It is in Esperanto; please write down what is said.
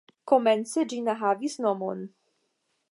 Komence ĝi ne havis nomon.